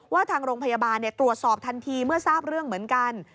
ทางโรงพยาบาลตรวจสอบทันทีเมื่อทราบเรื่องเหมือนกัน